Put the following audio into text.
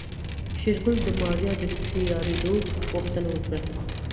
شېرګل د ماريا د تيارېدو غوښتنه وکړه.